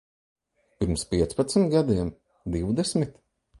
Pirms piecpadsmit gadiem? Divdesmit?